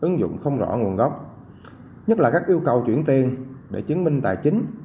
ứng dụng không rõ nguồn gốc nhất là các yêu cầu chuyển tiền để chứng minh tài chính